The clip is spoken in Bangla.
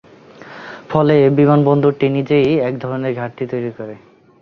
ফলে বিমানবন্দরটি নিজেই একধরনের ঘাটতি তৈরি করে।